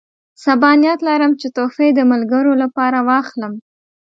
سبا نیت لرم چې تحفې د ملګرو لپاره واخلم.